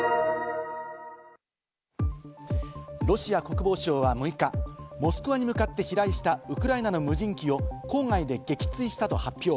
ロシア国防省は６日、モスクワに向かって飛来したウクライナの無人機を郊外で撃墜したと発表。